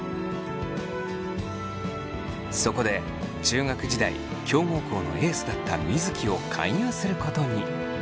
そこで中学時代強豪校のエースだった水城を勧誘することに。